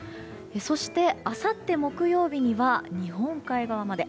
そして、あさって木曜日には日本海側まで。